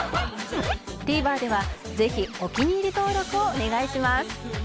ＴＶｅｒ ではぜひお気に入り登録をお願いします